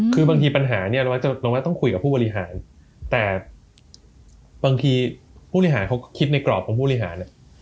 คือบางทีปัญหาเนี่ยเราว่าต้องคุยกับผู้บริหารแต่บางทีผู้บริหารเขาคิดในกรอบของผู้บริหาร